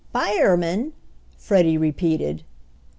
"Fireman!" Freddie repeated.